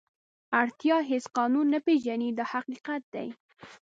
اړتیا هېڅ قانون نه پېژني دا حقیقت دی.